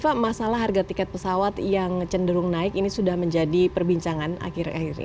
pak masalah harga tiket pesawat yang cenderung naik ini sudah menjadi perbincangan akhir akhir ini